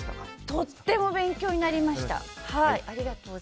とっても勉強になりました。